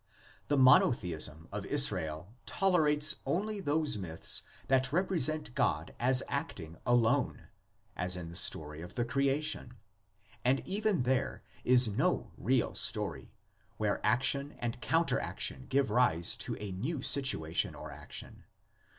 The monotheism of Israel tolerates only those myths that represent God as acting alone, as in the story of the creation, and even then there is no real "story," where action and counter action give rise to a new situation or action.